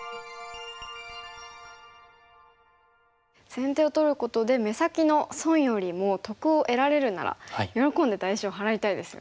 先手を取ることで目先の損よりも得を得られるなら喜んで代償払いたいですよね。